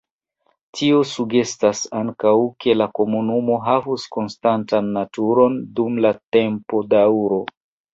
Tio sugestas ankaŭ, ke la komunumo havus konstantan naturon dum la tempodaŭro.